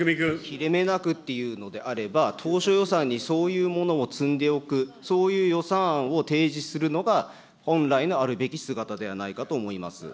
切れ目なくというのであれば、当初予算にそういうものを積んでおく、そういう予算案を提示するのが本来のあるべき姿ではないかと思います。